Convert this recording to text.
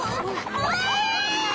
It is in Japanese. うわ！